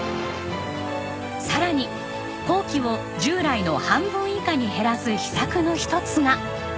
さらに工期を従来の半分以下に減らす秘策の一つが。